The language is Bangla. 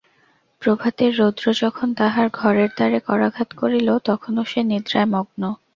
প্রভাতের রৌদ্র যখন তাহার ঘরের দ্বারে করাঘাত করিল তখনো সে নিদ্রায় মগ্ন।